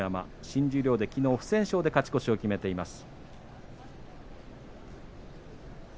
新十両できのう不戦勝で勝ち越しを決めています。